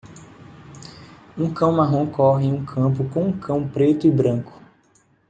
Um cão marrom corre em um campo com um cão preto e branco.